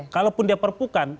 kalaupun dia perpukan